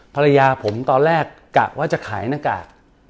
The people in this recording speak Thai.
ภรรยาผมตอนแรกกะว่าจะขายหน้ากาก